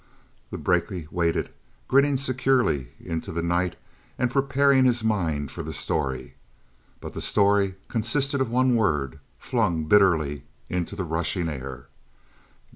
The brakie waited, grinning securely into the night, and preparing his mind for the story. But the story consisted of one word, flung bitterly into the rushing air.